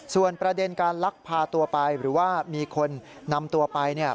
ส่วนประเด็นการลักพาตัวไปหรือว่ามีคนนำตัวไปเนี่ย